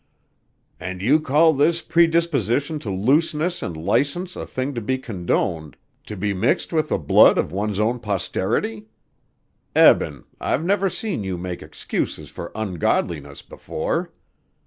"And you call this predisposition to looseness and license a thing to be condoned, to be mixed with the blood of one's own posterity? Eben, I've never seen you make excuses for ungodliness before."